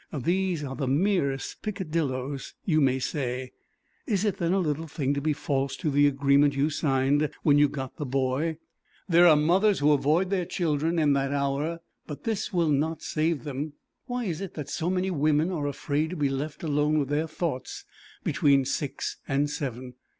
These are the merest peccadilloes, you may say. Is it then a little thing to be false to the agreement you signed when you got the boy? There are mothers who avoid their children in that hour, but this will not save them. Why is it that so many women are afraid to be left alone with their thoughts between six and seven?